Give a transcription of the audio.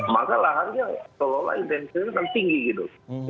maka laharnya seolah olah intensnya tinggi gitu